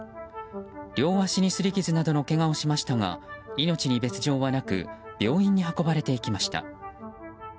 両足に擦り傷などのけがをしましたが命に別条はなく病院に運ばれていきました。